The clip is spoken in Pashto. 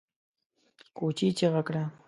کوچي چيغه کړه!